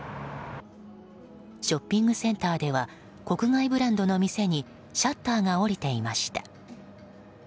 ショッピングセンターでは国外ブランドの店にシャッターが下りていました。